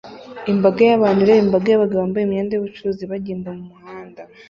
Imbaga y'abantu ireba imbaga yabagabo bambaye imyenda yubucuruzi bagenda mumuhanda